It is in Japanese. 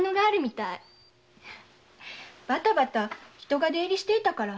バタバタ人が出入りしていたから。